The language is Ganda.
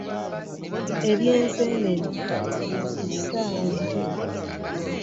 Eby'ensenene bya ku kisaawe Entebbe.